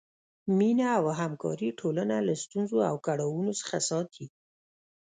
مینه او همکاري ټولنه له ستونزو او کړاوونو څخه ساتي.